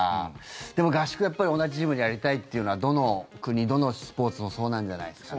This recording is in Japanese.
でも、合宿をやっぱり同じチームでやりたいというのはどの国、どのスポーツもそうなんじゃないですかね。